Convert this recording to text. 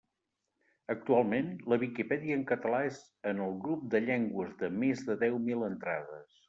Actualment, la Viquipèdia en català és en el grup de llengües de més de deu mil entrades.